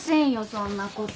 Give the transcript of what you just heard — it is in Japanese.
そんなこと。